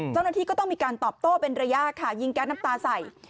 เจ้าหน้าที่ก็ต้องมีการตอบโต้เป็นระยะค่ะยิงแก๊สน้ำตาใส่